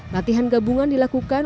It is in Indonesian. latihan gabungan dilakukan